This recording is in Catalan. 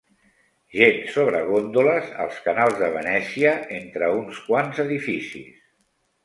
Gent sobre góndoles als canals de Venècia, entre uns quants edificis.